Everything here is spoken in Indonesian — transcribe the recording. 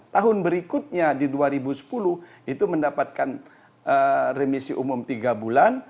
tahun berikutnya di dua ribu sepuluh itu mendapatkan remisi umum tiga bulan